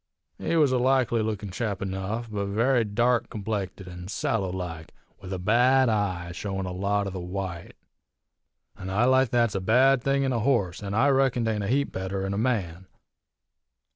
He was a likely lookin' chap enough, but very dark complected an' sallow like, with a bad eye, showin' a lot o' the white. An eye like that's a bad thing in a horse, an' I reckon 't ain't a heap better in a man.